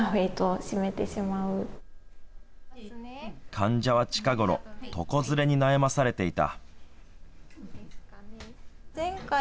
患者は近頃床ずれに悩まされていた。